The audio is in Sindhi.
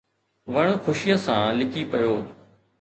وڻ خوشيءَ سان لڪي پيو